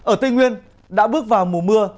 ở tây nguyên đã bước vào mùa mưa